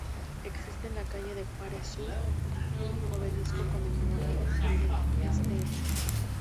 Existe en la calle de Juárez sur, un obelisco conmemorando este hecho.